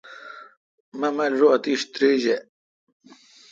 مہ مل رو اتیش تریجہ۔